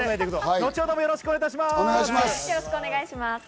後ほど、よろしくお願いします。